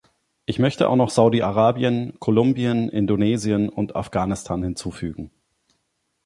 Ich möchte auch noch Saudi Arabien, Kolumbien, Indonesien und Afghanistan hinzufügen.